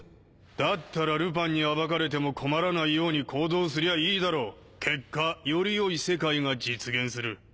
だったらルパンに暴かれても困らないように行動すりゃいいだろ結果より良い世界が実現する。